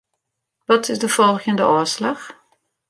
Wat is de folgjende ôfslach?